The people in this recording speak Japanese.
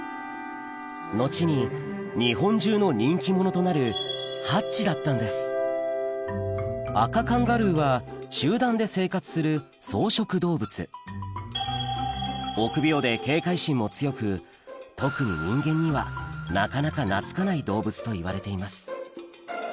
後に日本中の人気者となるアカカンガルーは集団で生活する草食動物臆病で警戒心も強く特に人間にはなかなか懐かない動物といわれています